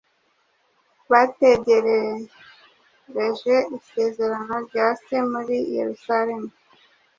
bategerereje isezerano rya Se muri Yerusalemu,